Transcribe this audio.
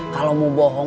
kalau mau bohong